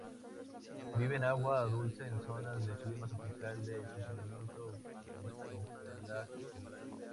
Vive en agua dulce en zonas de clima tropical, de comportamiento bentopelágico.